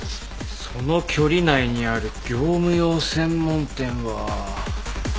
その距離内にある業務用専門店は。